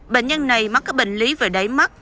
bệnh nhân này mắc các bệnh lý về đáy mắt